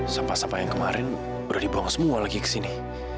sapa sapa yang kemarin udah dibawa semua lagi ke sini